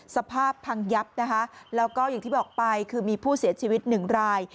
สภาพพังยับนะคะแล้วก็อย่างที่บอกไปคือมีผู้เสียชีวิตหนึ่งราย